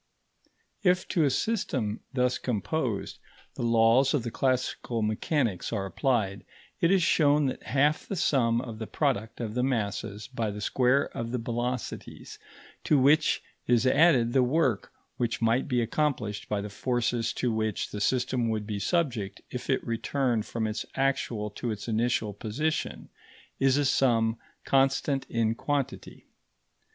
If, to a system thus composed, the laws of the classical mechanics are applied, it is shown that half the sum of the product of the masses by the square of the velocities, to which is added the work which might be accomplished by the forces to which the system would be subject if it returned from its actual to its initial position, is a sum constant in quantity.